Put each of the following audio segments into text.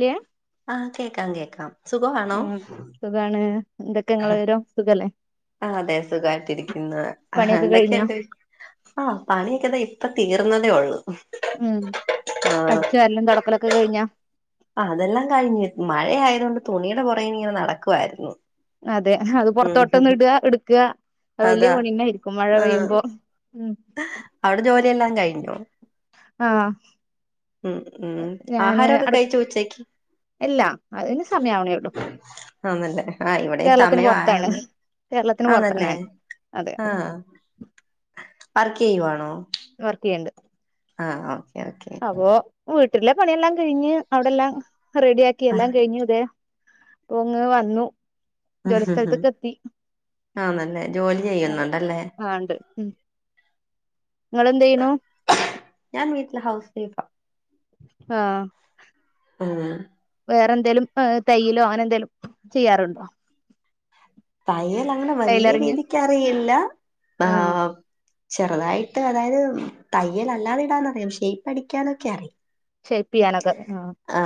കേ ആഹ് കേക്കാം കേക്കാം സുഖവാണോ ആ സുഖാണ് എന്തൊക്കെ ങ്ങളെ വിവരോ സുഖല്ലേ ആ അതെ സുഖമായിട്ടി രിക്കുന്നു ആ പണിയൊക്കെ കഴിഞ്ഞോ എന്തൊക്കെയണ്ട് ആഹ് പണിയൊക്കെതാ ഇപ്പ തീർന്നതേ ഒള്ളൂ ഉം ആഹ് അടച്ച് വാരല്ലും തൊടക്കലൊക്കെ കഴിഞ്ഞാ ആ അതെല്ലാം കഴിഞ്ഞു മഴയതുകൊണ്ട് തുണിയുടെ പുറേനി ഇങ്ങനെ നടക്കുവായിരുന്നു അതെ അത് ഉം പൊറത്തോട്ടൊന്ന് ഇട ഇട്ക്ക വല്യയ അതാ പണിയെന്നായിരിക്കും മഴ ആഹ് പെയ്യുമ്പോ ഉം അവിടെ ജോലിയെല്ലാം കഴിഞ്ഞൊ ആ ഉം ഞാന് ആഹാരമൊക്കെ അ കഴിച്ചോ ഉച്ചക്ക് എല്ല അതിന് സമയവണേള്ളു ആന്നല്ലേ ആ ഇവിടെയും സമയ പൊറത്താണ് ആന്ന് കേരളത്തിന് പൊറത്താ ആന്നല്ലേ ഞാൻ അതെ ആ വർക്ക് ചെയ്യുവാണോ വർക്ക് ചെയ്യണ്ട് ആ ഓക്കെ ഓക്കേ അപ്പൊ വീട്ടിലെ പണിയെല്ലാം കഴിഞ്ഞ് അവിടെല്ലാം റെഡി ആക്കി എല്ലാം കഴിഞ്ഞു തെ പ്പൊങ്ങ് വന്നു ജോലിസ്ഥലത്ത്ക്ക് എത്തി ആന്നല്ലേ ജോലി അതെ ചെയ്യുന്നുണ്ടല്ലേ ആ ണ്ട് ഉ ഇങ്ങളെന്ത് ചെയ്യനു ഞാൻ വീട്ടില് ഹൗസ് വൈഫാ ആ ആ വേറെ എന്തേലും തയ്യിലോ അങ്ങനെ എന്തേലും ചെയ്യാറുണ്ടോ തയ്യൽ അങ്ങനെ വല്യയ ടൈലറിങ് രീതിക്ക്റിയില്ല ആഹ് ചെറുതായിട്ട് അതായത് തയ്യൽ അല്ലാതെ ഇടാന്ന്റിയാം ഷൈപ്പ് അടിക്കാനൊക്കെ അറിയാം ഷൈപ്പിയാനൊക്കെ ആ ആ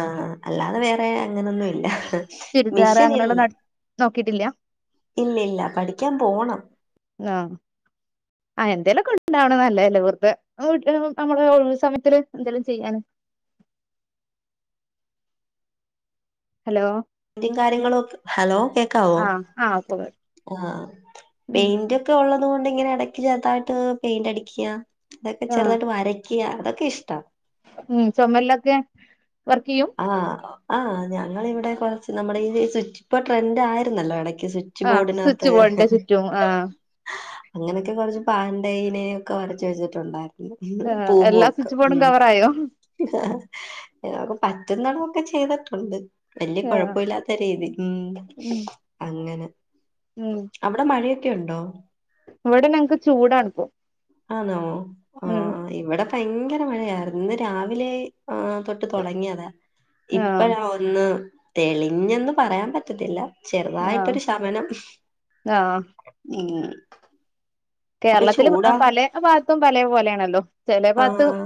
അല്ലാതെ വേറെ അങ്ങനൊന്നു ഇല്ല ചുരിദാർ മിഷൻ അങ്ങനെയുള്ള ഇല്ല ന നോക്കിട്ടില്ല ഇല്ല ഇല്ല പഠിക്കാൻ പോണം ആഹ് ആ എന്തേലൊക്കെ ണ്ടണ്ടാവണ നല്ലല്ലെ വെർതെ നമ്മളെ വീട്ടില് നമ്മളെ ഒഴിവ് സമയത്തില് എന്തെങ്കലും ചെയ്യാന് ഹലോ കാര്യങ്ങളൊക്കെ ഹലോ കേക്കാവോ ആ ആ പോക ആ ഉം പെയിന്റ് ക്കെ ഉള്ളതു കൊണ്ട് ഇങ്ങെ എടക്ക് ചെുതായിട്ട് പെയിന്റ് അടിക്കുക അതൊക്കെ ആ ചെറുതായിട്ട് വരയ്ക്ക ക്കി അതക്കേ ഇഷ്ട ഉം ചുമലിലൊക്കെ വർക്ക് ചെയ്യും ആ ആ ഞങ്ങളിവിടെ കുറച്ച് നമ്മുടെ സ്വിച്ച് ഇപ്പ ട്രെൻഡ് ആയിരുന്നല്ലോ ഇടക്ക് സ്വി ച്ച് ആ സ്വിച്ച് ബോർഡിനകത്ത് ബോർഡിന്റെ ചുറ്റും ആ അങ്ങനെയൊക്കെ കുറച്ച് പാണ്ടേനെ ഒക്കെ വരച്ച് വെച്ചിട്ടുണ്ടായിരുന്നു ആ എല്ലാ പോവോക്ക സ്വിച്ച് ബോർഡും ഉം കവറായോ ആഹ് പറ്റുന്നടോക്കെ ചെയ്തിട്ടുണ്ട് വല്യ ആ കൊഴപ്പില്ലാത്ത രീതി ഉം ഉം അങ്ങന ഉം അവിടെ മഴയൊക്കെ ഉണ്ടോ ഇവിടെ ഞങ്ങക്ക് ചൂടാണ് ഇപ്പോ ആണോ ആഹ് ആഹ് ഇവിട പയ്ങ്കര മഴയായിരുന്നു ഇന്ന് രാവിലെ തൊട്ട് തൊടങ്ങിയതാ ആ ഇപ്പഴാ ഒന്ന് - ഒന്ന് തെളിഞ്ഞന്ന് പറയാൻ പറ്റത്തില്ല ആ ചെറുതായിട്ടൊരു ശമനം ആ ഉം അപ്പൊ കേരളത്തില് ചൂടാ പലേ ഭാഗത്തും പലേ പോലെയാണല്ലോ ചെല ഭാഗത്ത് ആഹ്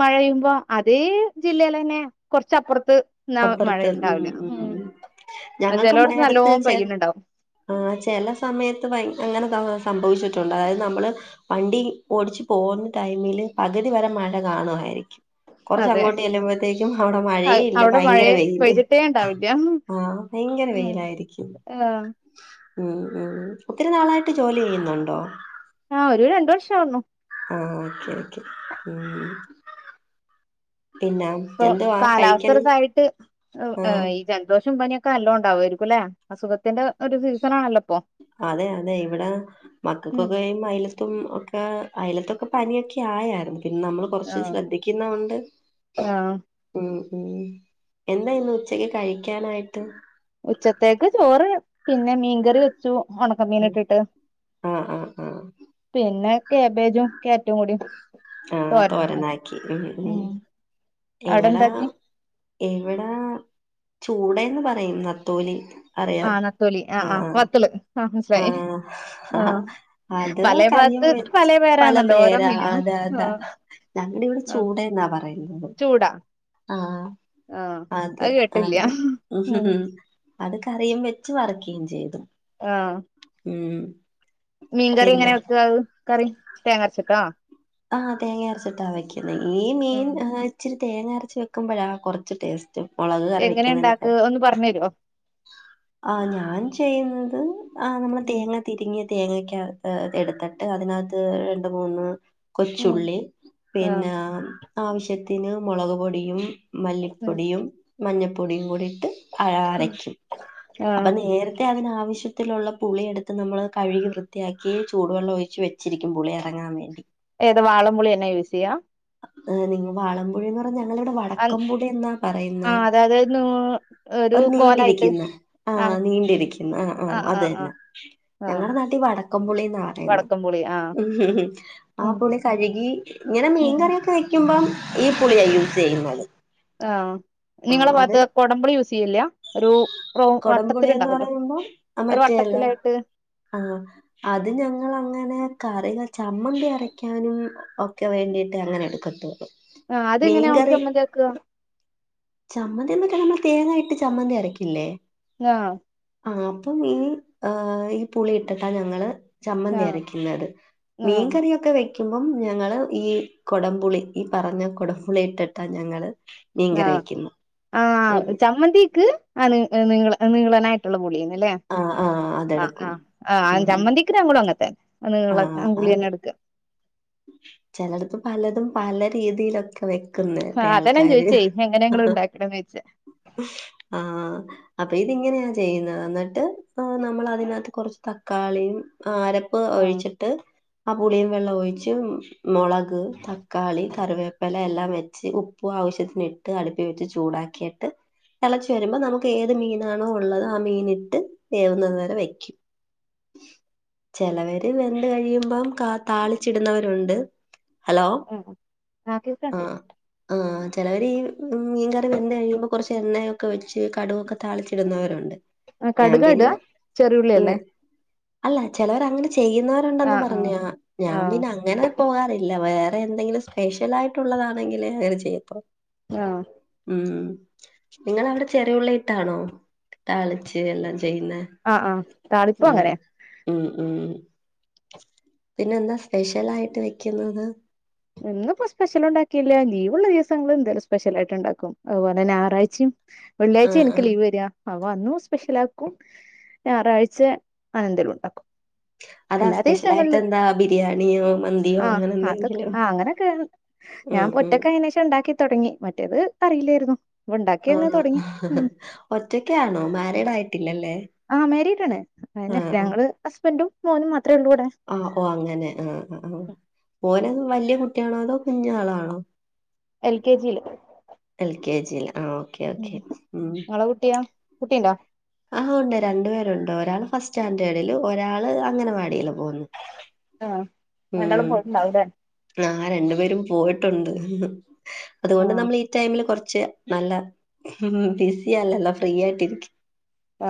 മഴപെയ്യുമ്പോ അതേ ജില്ലയിലെ തന്നെ കൊറച്ചപ്പുറത്ത് ന്ന മഴ ഉണ്ടാവില്ല ഉം ചിലവടത്ത് നല്ലോ പെയ്യുന്ന് ഉണ്ടാവും ആ ചെല സമയത്ത് ഭയ അങ്ങനെ സംഭവിച്ചിട്ടുണ്ട് അതായത് നമ്മള് വണ്ടി ഓടിച്ച്പോകുന്ന ടൈമില് പകുതി വരെ മഴ കാണുവായിരിക്കും കുറച്ച് അതെ അങ്ങോട്ട് ചെല്ലുമ്പോഴത്തേക്കും അവിടെ മഴേ ഇല്ല അവിടെ ഭയങ്കര മഴയെ വെയില് പെയ്തിട്ടേ ഇണ്ടാവില്ല ഉം ആഹ് ഭയങ്കര വെയിലായിരിക്കും ആഹ് ഉം ഉം ഒത്തിരി നാളായിട്ട് ജോലി ചെയ്യുന്നുണ്ടോ ആഹ് ഒരു രണ്ടു വർഷം ആവുന്നു ആഹ് ഓക്കെ ഓക്കെ ഉം പിന്നെ ഇപ്പൊ എന്തുവാ കഴിക്കൻ കാലാവസ്ഥക്കായിട്ട് ആഹ് ഈ ജലദോഷം പനി ഒക് [unintelligible] എല്ലാം ഉണ്ടാവായിരിക്കും അല്ലേ അസുഖത്തിന്റെ ഒരു സീസണാണല്ലോ ഇപ്പൊ അതെ അതെ ഇവിട ഉം മക്കൾക്കൊക്കെ ഈ മയില തും ഒക്കെ അയലത്തൊക്കെ പനിയൊക്കെ ആയാരുന്നു പിന്നെ നമ്മൾ കൊറച്ച് ആഹ് ശ്രദ്ധിക്കുന്നകൊണ്ട് ആഹ് ഉം ഉം എന്താ ഇന്ന് ഉച്ചക്ക് കഴിക്കാനായിട്ട് ഉച്ചത്തേക്ക് ചോറ് പിന്നെ മീൻകറി വെക് [unintelligible] ഉണക്ക മീൻഒക്കെ ഇട്ട് ആഹ് ആഹ് ആഹ് പിന്നെ കാബേജും ക്യാരറ്റും കൂടിയും ആഹ് തോരനാക്കി ഉം ഉം അവിടെ ഇവിട എന്താക്കി ഇവിട ചൂടെന്ന് പറയും നത്തോലി അറിയാ ആഹ് നത്തോലി ആ ആ ആഹ് വത്തള് ആഹ് മനസിലായി ആഹ് ആ ആഹ് അത് പലേ കറിയും ഭാഗത്ത് വെച്ച് പല പേരാണല്ലോ ഓരോ പേരാ മീനിനും അതെ ആഹ് [unintelligible] ഞങ്ങടെ ഇവിടെ ആഹ് ചൂട എന്നാ പറയുന്നത് ചൂടാ ആഹ് ആഹ് അത് ആഹ് കേട്ടില്ല ഉം അത് കറിയും വെച്ച് വറുക്കുകയും ചെയ്തു ആഹ് ഉം മീൻകറി പിന്നെ എങ്ങനെ വെക്ക അഹ് കറി തേങ്ങര്ച്ചിട്ടാ? ആഹ് തേങ്ങ അരാച്ചിട്ടാ വെക്കുന്നത് ഈ മീൻ ഉം ഇച്ചിരി തേങ്ങ അരച്ച് വെക്കുമ്പോഴാ കുറച്ച് ടേസ്റ്റ് മുളക് എങ്ങനെ ഇണ്ടാക്കാ കറിവെക്കുന്നതിനെകാട്ടി ഒന്ന് പറഞ്ഞു തരോ ആ ഞാൻ ചെയ്യുന്നത് ആ നമ്മള് ഉം തേങ്ങ തിരിങ്ങിയ തേങ്ങക്കകത്ത് എടുത്തിട്ട് അതിനകത്ത് രണ്ട് മൂന്ന് ഉം കൊച്ചുള്ളി ആഹ് പിന്നെ ആവശ്യത്തിന് മുളക് പൊടിയും മല്ലിപ്പൊടിയും മഞ്ഞപ്പൊടിയും കൂടിട്ട് ഉം അരക്കും അപ്പ ആഹ് നേര- ത്തിയതിനാവശ്യത്തിലുള്ള പുളിയെട്ത്ത് നമ്മൾ കഴുകി വൃത്തിയാക്കി ചൂടുവെള്ളം ഒഴിച്ച് വെ ശരിക്കും പുളി എറങ്ങാൻ വേണ്ടി. ഏത് വാളംപുളിയെന്നെ യൂസെയ്യാ? ഏഹ് നിങ്ങ വാളമ്പുളിന്നർ. ഞങ്ങള ഇവ്ടെ വടക്കം പുളിന്നാ പറയുന്നെ ആഹ് അതായത് നൂ ഒരു നീണ്ടിരിക്കും. ആഹ് നീണ്ടിരിക്കും ആഹ് ആഹ് അതന്നെ ഞങ്ങടെ നാട്ടി വടക്കംപുളിന്ന പറയുന്നെ. വടക്കം പുളി ആ ഉം ഹ്മ് ഹ് ആ പുളി കഴുകി ഇങ്ങനെ ഉം മീൻകറി ക്കെ വെക്കുമ്പോ ഈ പുളിയാ ആഹ് യൂസെയ്യുന്നെ ആഹ് നിങ്ങള ബാത്ത് കൊടമ്പുളി യൂസെയ്യലില്ല ഒരു ഹ് കൊടംപുളിന്ന് വട്ടത്തിലുണ്ടാവല്ലോ പറയുമ്പോ ഒരു മറ്റേല്ല വട്ടത്തിലായിട്ട് ആഹ് അത് ഞങ്ങളങ്ങനെ കറിന്നാ ചമ്മന്തി അരക്കാനും ഒക്കെ വേണ്ടിട്ട് അങ്ങനെ എടുക്കും കത്ത്ഹ് ആഹ് അതെങ്ങനെയ അഓണ്ട് ചമ്മന്തിയാക്അ? ചമ്മന്തിന്ന്ക്കമ്മ തേങ്ങയിട്ട് ചമ്മന്തി അരക്കില്ലേ ആഹ് ആ അപ്പം ഈ ഹ് ഈ പുളിഇട്ടിട്ടാ ഞങ്ങള് ചമ്മന്തി ആഹ് അരക്ക്‌ന്നത് ആഹ് മീൻകറിയൊക്കെ വെ‌ ക്കുമ്പം ഞങ്ങള് ഈ കൊടംപുളി ഈ പറഞ്ഞ കൊടംപുളി ഇട്ടിട്ടാ ഞങ്ങള്. മീൻക്കറി ആഹ് ആഹ് ചമ്മന്തീക്ക് ആ നി ഏഹ് നീള നീളനായിട്ട്ള്ള പുളീന്ന്ല്ലേ ആ ആ ആ ആ അതെടുക്കും ആഹ് ഉം ചമ്മന്തീക്ക് ഞങ്ങളും അങ്ങൻത്തന്നെ നിള ആ പുളിയെന്നെ ഇട്ക്ക്അ ചെലർക്ക് പലതും പല രീതിയിലൊക്കെ വെ ക്കുന്നെ ആഹ് അതാ ഞാൻ ആൾക്കാര് ചോദിച്ചേ എങ്ങനെ നിങ്ങള് ഉണ്ടാക്കണന്ന് ചോദിച്ചേ ആഹ്. അപ്പൊ ഇതിങ്ങനെയാ ചെയ്യ്ന്നത് ന്നിട്ട് നമ്മൾ അതിനകത്ത് കൊറച്ച് തക്കാളീം. ആ അരപ്പ് ആഹ് ഒയിച്ചിട്ട് ആ പുളിയും വെള്ളം ഒയ് ച്ചും മൊളക് തക്കാളി കറിവേപ്പല എല്ലാം വെച്ച് ച്ച് ഉപ്പും ആവശ്യത്തിന് ഇട്ട് അടുപ്പി വെച്ച് ചൂടാക്കിയിട്ട് തെളച്ച് വരുമ്പോ നമുക്ക് ഏത് മീനാണോ ഉള്ളത് ആ മീൻട്ട് വേവുന്നത് വരെ വെക്ക്അ. ചെ ലവര് വെന്ത് കഴിയുമ്പം കാ താളി. ച്ചിട്ന്നവരുണ്ട് ഹലോ ആഹ് ആഹ് കേൾക്കണ്ട് ആഹ്. ആ ചെലവര് ഈ മീൻകറി വെന്തഴിയുമ്പോ കൊറച്ച് എണ്ണയൊക്കെ വെച്ച് കടുവൊക്കെ താളിച്ചിട്ന്നവരുണ്ട്. ആ ഞാൻ കടുകാ ഇടുക പിന്നെ ഹ്. ചെറിയുള്ളിയല്ലേ അല്ല ചെലവർ അങ്ങനെ ചെയ്യുന്നവരുണ്ടെന്നു ആഹ് പറഞ്ഞ ആഹ് ഞാൻ ആഹ് പിന്നെ. അങ്ങനെ പോവാറില്ല വേറെ എന്തെങ്കിലും സ്പെഷ്യൽ ആയിട്ടുള്ളതാണെങ്കിൽ അങ്ങനെ ചെയ്യത്തുള്ളു. ആഹ് ഉം നിങ്ങളവിടെ ചെറിയുള്ളിട്ടാണോ താളിച്ച് എല്ലാം ചെയ്യുന്നെ? അഹ് ആഹ് താളിപ്പു അങ്ങനെ. ഉം ഉം പിന്നെന്താ സ്പെഷ്യലായിട്ട് വെക്കുന്നത്? ഇന്നിപ്പോ സ്പെഷ്യൽ ണ്ടാക്കിയില്ല ലീവ്ള്ള ദിവസങ്ങൾ എന്തേലും സ്പെഷ്യലായിട്ട് ഇണ്ടാക്കും അത്പോലെ ഞാറാഴ്ച്ചിം. വെള്ള്യായ്ചെ ആഹ് ഇൻക്ക് ആഹ് ലീവ് വര. അവ അന്നും സ്പെഷ്യലാക്കും ഞാറാഴ്ച അങ്ങനെന്തേലും ണ്ടാക്കും. അതാ സ്പെഷ്യലായിട്ടെന്താ ബിരിയാണിയോ, മന്തിയോ അങ്ങനെന്തെങ്കിലും. ആഹ് അങ്ങനൊക്കേ ഞാൻപ്പം ഒറ്റക്കായേനേഷം ഇണ്ടാക്കിത്തൊടങ്ങി മറ്റത് അറില്ലേര്ന്നു. പ്പം ഇണ്ടാക്കി അങ്ങ് തൊടങ്ങി ആഹ് മ്. ഒറ്റക്കാണോ മാരീഡായിട്ടില്ലലെ? ആഹ് മേരീഡണ് പിന്നെ ഞങ്ങള് ഹസ്ബൻറും മോനും മാത്ര ഒള്ളൂ വടെ ആഹ് ഓ അങ്ങനെ ആഹ് ആഹ് ഓനങ് വലിയ കുട്ടിയാണോ അതോ കുഞ്ഞളാണോ എൽ കെ ജില് എൽ കെ ജില് ആഹ് ഉം ഓക്കെ ഉം ങ്ങളെ കുട്ടിയോ കുട്ടിണ്ടാ? ആഹ് ഉണ്ട് രണ്ടു പേരുണ്ട് ഒരാള് ഫസ്റ്റ് സ്റ്റാൻഡേർഡില് ഒരാള് അങ്ങനവാടില് പോന്ന് ആഹ് രണ്ടളം പോയിട്ട്ണ്ടാവുലെ? ആഹ് രണ്ടു പേരും പോയിട്ടുണ്ട് ആ അതുകൊണ്ട് നമ്മൾ ഈ ടൈമില് കൊറച്ച് നല്ല ബിസിയല്ലല്ലോ ഫ്രീ ആയിട്ടിരിക്കും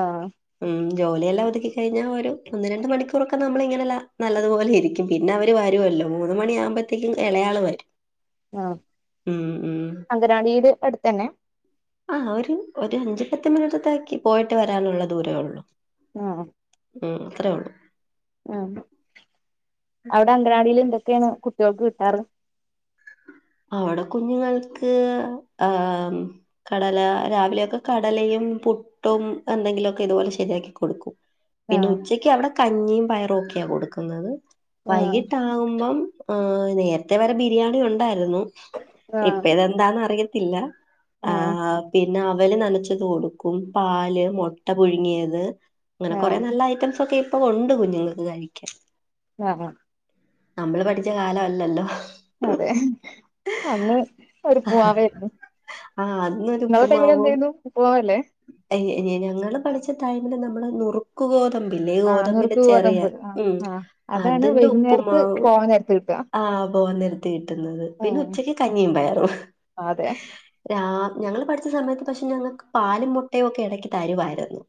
ആഹ് ഉം ജോലിയെല്ലാം ഒതുക്കി കഴിഞ്ഞാൽ ഒരു ഒന്ന് രണ്ട് മണിക്കൂറൊക്കെ നമ്മള് ഇങ്ങനെല്ല നല്ലതുപോലെ ഇരിക്കും പിന്നെ അവര് വരുമല്ലോ മൂന്ന് മണിയ ആകുമ്പോഴത്തേക്കും ഇളയാള് വരും ആഹ് ഉം ഉം അങ്കനവാടിയുടെ അടുത്തന്നെ ആഹ് ഒരു ഒരു അഞ്ചു പത്ത് മിനിറ്റത്താക്കി പോയിട്ട് വരാനുള്ള ദൂരേ ഉള്ളു ആഹ് ഉം അത്രയുള്ളൂ ആഹ് അവിടെ അംഗനവാടില് എന്തൊക്കെയാണ് കുട്ടികൾക്ക് കിട്ടാറ്? അവിടെ കുഞ്ഞുങ്ങൾക്ക് ആഹ് കടല രാവിലെയൊക്കെ കടലയും പു ട്ടും എന്തെങ്കിലൊക്കെ ഇതുപോലെ ശരിയാക്കി കൊടുക്കും പിന്നെ ആഹ് ഉച്ചക്ക് അവിടെ കഞ്ഞിയും പയറും ഒക്കെയ കൊടുക്കുന്നത് ആഹ് വൈകിട്ടാകുമ്പം നേരത്തെ വരെ ബിരിയാണി ഉണ്ടായിരുന്നു ഇപ്പ ആഹ് ഇതെന്താന്നറിയത്തില്ല ആഹ് പിന്നെ അവല് നനച്ച് തോടും ക്കും പാല് മുട്ട പുഴുങ്ങിയത് അങ്ങനെ കുറെ ആഹ് നല്ല ഐറ്റംസ് ഒക്കെ പ്പൊ ഉണ്ട് കുഞ്ഞുങ്ങൾക്ക് കഴിക്കൻ ആഹ് ആഹ് നമ്മള് പഠിച്ച കാല അല്ലല്ലോ അതെ അന്ന് ഒരു പൂവാവ ആയിരുന്നു ആ നിങ്ങെള ടൈമിൽ എന്തായു ന്നു പൂവാവല്ലേ അ ഞങ്ങള് പഠിച്ച ടൈമില് നമ്മള് നുറു ക്ക് ഗോതമ്പല്ലേ ആഹ് ഗോതമ്പിന്റെ നുറുക്ക് ചെറിയാ ഗോതമ്പ് ആഹ് ഉം ആഹ് അതാണ് അതിന്റെ വൈകുന്നേരത്ത് ഉപ്പുമാവ് പോവാൻ നേരത്ത് കിട്ടുക ആഹ് പോകൻ നേരത്ത് കിട്ടുന്നത് പിന്നെ ഉം ഉച്ചക്ക് കഞ്ഞിയും പയറും അതെ രാ ഞങ്ങള് പഠിച്ച സമയത്ത് പക്ഷെ ഞങ്ങക്ക് പാലും മുട്ടയും ഒക്കെ ഇടക്ക് തരുവായിരുന്നു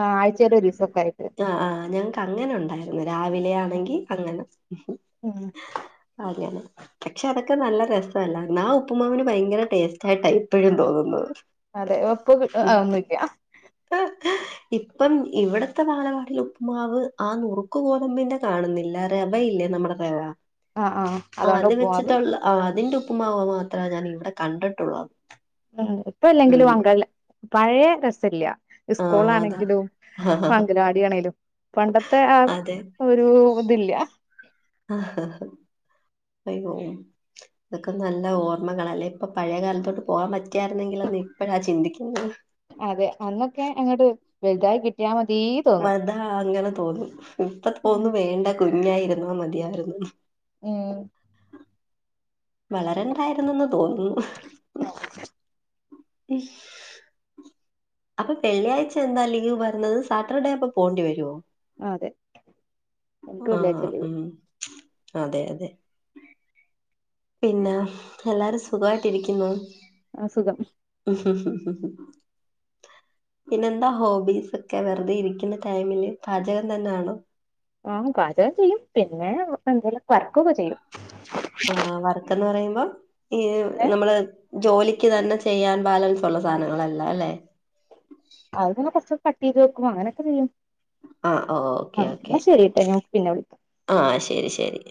ആഹ് ആഴ്ചയിൽ ഒരു ദിവസൊക്കെ ആയിട്ട് ആഹ് ആഹ് ഞങ്ങക്ക് അങ്ങനെ ഉണ്ടായി രാവിലെ ആണെങ്കിൽ അങ്ങനെ ഉം അങ്ങനെ പക്ഷെ അതൊക്കെ ക്കെ നല്ല രസല്ല ആഹ് ഉപ്പുമാവന് ഭയങ്കര ടേസ്റ്റയിട്ടാ ഇപ്പോഴും തോന്നുന്നത് അതെ ഒപ്പ ആതൊന്നില്ല ഇപ്പ ഇപ്പം ഇവിടത്തെ വാലവാടിൽ ഉപ്പ്മാവ് ആഹ് നുറുക്ക് കോതമ്പിന്റെ കാണുന്നില്ല റെവയില്ലേ നമ്മുടെ അത ആആ അതുണ്ട ഉപ്പുമാവ് ആ അതിന്റെ ഉപ്പ് മാവ് മാത്രേ ഞാൻ ഇവിടെ കണ്ടിട്ടുള്ളൂ ഉ ഇപ്പ ഇല്ലെങ്കിലും ഉം അങ്ക പഴയ രസല്ല സ്കൂളാണെങ്കിലും ഹ ഹാ ഹാ നീയാണേലും പണ്ടത്തെ ആ ഒരു ഇതില്ല ആ പൈ പോവും അതൊക്കെ നല്ല ഓർമ്മകള അല്ലെ ഇപ്പൊ പഴയ കാലത്തോട്ട് പോകാൻ പറ്റിയാരുന്നെങ്കിലെന്നു ഇപ്പഴാ ഞാ ചിന്തിക്കുന്നത് അതെ അന്നൊക്കെ അങ്ങോട്ട വലുതായി കി ട്ടിയമതി മതാ അങ്ങനെ തോന്നുന്നു ഇപ്പ ഉം തോന്നുന്നു വേണ്ട കുഞ്ഞായിരുന്ന മതിയായിരുന്നു ഉം വളരണ്ടായിരുന്നുന്ന് തോന്നുന്നു. [unintelligible] [unintelligible] അപ്പൊ വെള്ളിയാഴ്ച എന്താ ലീവ് വരുന്നത്? സാറ്റർഡേ അപ്പൊ പോണ്ടി വരുവോ? അതെ എനിക്ക് ആഹ വെള്ളിയാഴ്ച ലീവ് ഉം അതെ അതെ. പിന്നെ, എല്ലാരും സുഖായിട്ടിരിക്കുന്നുവോ? ആ സുഖം ഹും ഹും ഹും പിന്നെന്താ ഹോബീസ് ഒക്കെ, വെറുതെ ഇരിക്കുന്ന ടൈമില് പാചകം തന്നെയാണോ? ആഹാ പാചകം ചെയ്യും, പിന്നെ എന്തേലും വർക്കൊക്കെ ചെയ്യും. ആഹാ വർക്കന്ന് പറയുമ്പോ? ഈ ഏ നമ്മള് ജോലിക്ക് തന്നെ ചെയ്യാൻ ബാലൻസ് ഉള്ള സാനങ്ങളല്ല അല്ലെ? അത് പിന്നെ കൊറച്ചൊക്കെ കട്ട് ചെയ്ത് വെക്കും അങ്ങനൊക്കെ ചെയ്യും. ആഹ് ഓ ആ, ഓക്കെ ഓക്കെ ന്നശരിട്ടാ. ഞാൻ പിന്നെ വിളിക്കാം. ആഹ് ശെരി ശെരി.